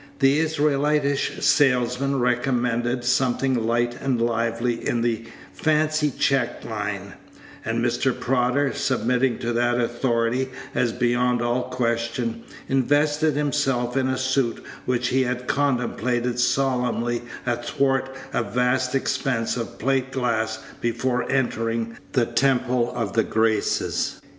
The Israelitish salesman recommended something light and lively in the fancy check line; and Mr. Prodder, submitting to that authority as beyond all question, invested himself in a suit which he had contemplated solemnly athwart a vast expanse of plate glass before entering the temple of the Graces.